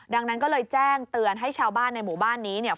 ดังนั้นก็เลยแจ้งเตือนให้ชาวบ้านในหมู่บ้านนี้เนี่ย